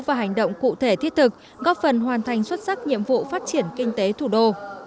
và hành động cụ thể thiết thực góp phần hoàn thành xuất sắc nhiệm vụ phát triển kinh tế thủ đô